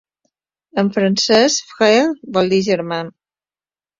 En francès "frère" vol dir "germà".